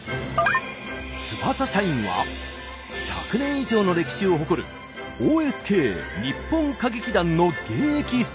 翼社員は１００年以上の歴史を誇るＯＳＫ日本歌劇団の現役スター俳優。